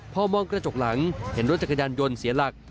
พอมองกระจกหลังเห็นรถจักรยานยนต์เสียหลัก